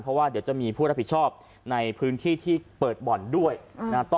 เพราะว่าเดี๋ยวจะมีผู้รับผิดชอบในพื้นที่ที่เปิดบ่อนด้วยนะ